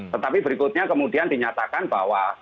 tetapi berikutnya kemudian dinyatakan bahwa